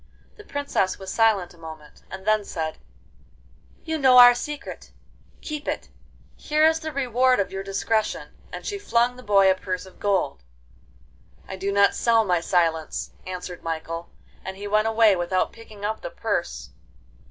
The Princess was silent a moment, and then said: 'You know our secret!—keep it. Here is the reward of your discretion.' And she flung the boy a purse of gold. 'I do not sell my silence,' answered Michael, and he went away without picking up the purse.